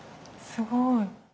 すごい。